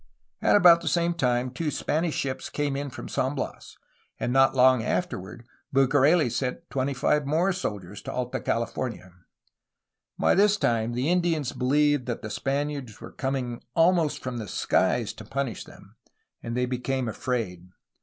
At about the same time two Spanish ships came in from San Bias, and not long afterward Bucareli sent twenty five more soldiers to Alta California. By this time the Indians believed that the Spaniards were coming almost from the skies to punish them, and they became afraid.